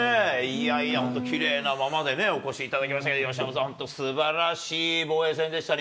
いやいや、本当、きれいなままでね、お越しいただきましたけれども、由伸さん、すばらしい防衛戦でしたね。